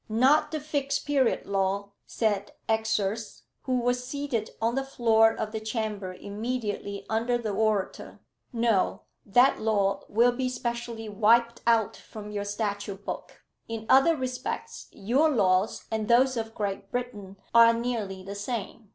"Not the Fixed Period law," said Exors, who was seated on the floor of the chamber immediately under the orator. "No; that law will be specially wiped out from your statute book. In other respects, your laws and those of Great Britain are nearly the same.